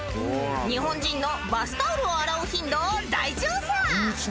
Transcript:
［日本人のバスタオルを洗う頻度を大調査］